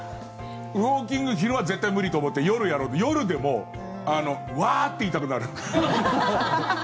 ウォーキング昼は絶対無理って思って夜やろうで、夜でもわー！って言いたくなる。